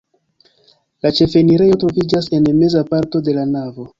La ĉefenirejo troviĝas en meza parto de la navo.